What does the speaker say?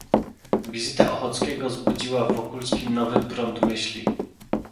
"Wizyta Ochockiego zbudziła w Wokulskim nowy prąd myśli."